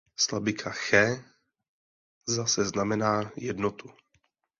Slabika "che" zase znamená „jednotu“.